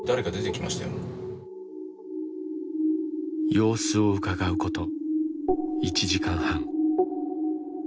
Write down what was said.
様子をうかがうこと１時間半。